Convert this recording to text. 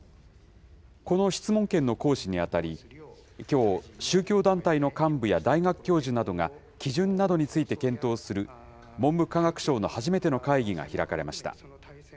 この質問権の行使にあたり、きょう、宗教団体の幹部や大学教授などが、基準などについて検討する、文部科学省の初めての会議が開かれました。